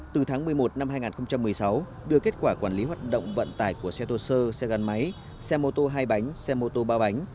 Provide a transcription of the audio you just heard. từ tháng một mươi một năm hai nghìn một mươi sáu đưa kết quả quản lý hoạt động vận tải của xe thô sơ xe gắn máy xe mô tô hai bánh xe mô tô ba bánh